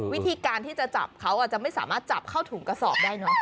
วิธีการที่จะจับเขาอาจจะไม่สามารถจับเข้าถุงกระสอบได้เนอะ